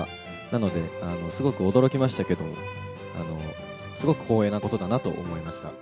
なので、すごく驚きましたけど、すごく光栄なことだなと思いました。